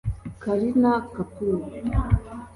Kareena Kapoor